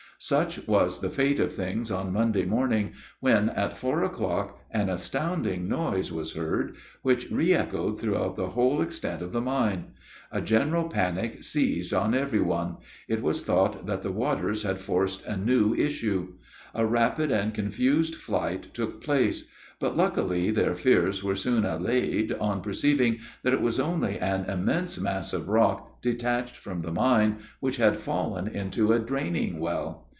Such was the state of things on Monday morning, when, at four o'clock, an astounding noise was heard, which re echoed throughout the Whole extent of the mine. A general panic seized on every one; it was thought that the waters had forced a new issue. A rapid and confused flight took place; but, luckily, their fears were soon allayed on perceiving that it was only an immense mass of rock, detached from the mine, which had fallen into a draining well.